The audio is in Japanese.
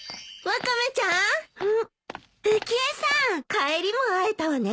帰りも会えたわね。